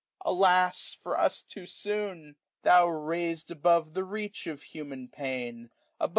Alas, for us too aoon ! Tho' rais*d aboTC $6$ Hie reach of human pain, abo?